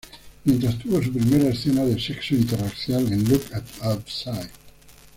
Mientras tuvo su primera escena de sexo interracial en "Look Outside".